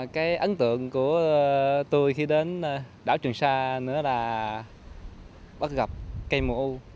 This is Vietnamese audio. cái ấn tượng của tôi khi đến đảo trường sa nữa là bắt gặp cây mùa u